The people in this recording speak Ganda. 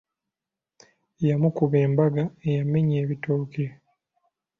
Yamukuba embaga eyamenya ebitooke.